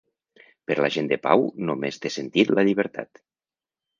Per la gent de pau només té sentit la llibertat.